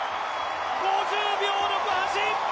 ５０秒６８。